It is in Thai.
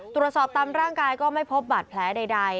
ตรวจสอบตามร่างกายก็ไม่พบบาดแผลใด